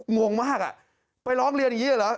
งงมากอ่ะไปร้องเรียนอย่างนี้เลยเหรอ